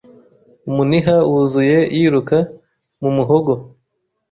Umuniha wuzuye yiruka mu muhogo